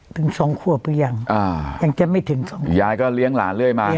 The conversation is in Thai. ถึงสองขวบหรือยังอ่ายังจะไม่ถึงสองยายก็เลี้ยงหลานเรื่อยมา